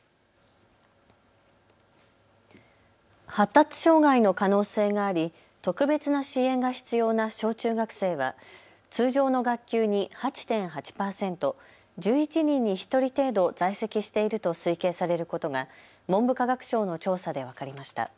発達障害の可能性があり特別な支援が必要な小中学生は通常の学級に８．８％１１人に１人程度、在籍していると推計されることが文部科学省の調査で分かりました。